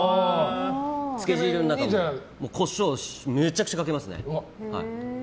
つけ汁の中にコショウめちゃくちゃかけますね。